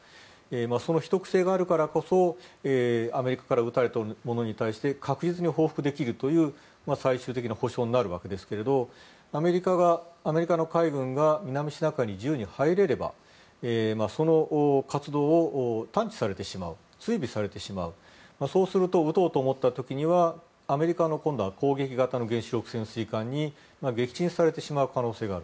その秘匿性があるからこそアメリカから撃たれたものに対して確実に報復できるという最終的な保障になるわけですがアメリカの海軍が南シナ海に自由に入れればその活動を探知されてしまう追尾されてしまうそうすると撃とうと思った時にはアメリカの今度は攻撃型の原子力潜水艦に撃沈される可能性がある。